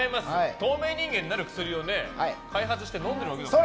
透明人間になる薬を開発して飲んでるわけだから。